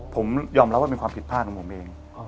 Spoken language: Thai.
ผมยอมรับว่าเป็นความผิดพลาดของผมเอง